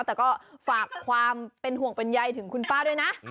แต่ก็ฝากความเป็นห่วงเป็นใยถึงคุณป้าด้วยนะ